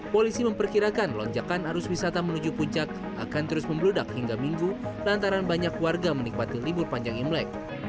polisi memperkirakan lonjakan arus wisata menuju puncak akan terus membludak hingga minggu lantaran banyak warga menikmati libur panjang imlek